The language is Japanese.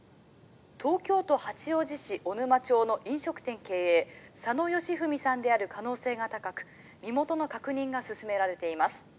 東京都八王子市小沼町の飲食店経営佐野義文さんである可能性が高く身元の確認が進められています。